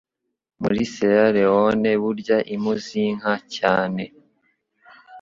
muri Sierra Leone barya impu z'inka cyane,